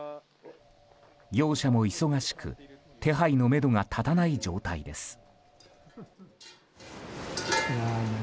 業者も忙しく手配のめどが立たない状態です。